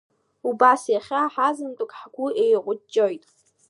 Убас иахьа ҳазынтәык ҳгәахы еиҟәыҷҷоит.